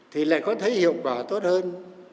thì lại có thể hiệu quả tốt hơn